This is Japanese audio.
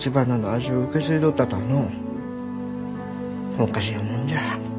おかしなもんじゃ。